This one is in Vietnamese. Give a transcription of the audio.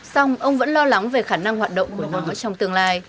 xong ông vẫn lo lắng về khả năng hoạt động của nó trong tương lai